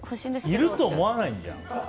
いると思わないんじゃん。